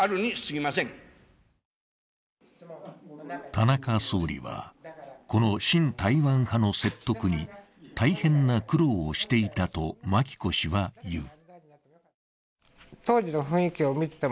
田中総理はこの親台湾派の説得に大変な苦労をしていたと真紀子氏は言う。